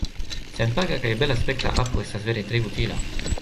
Senpaga kaj belaspekta apo estas vere tre utila.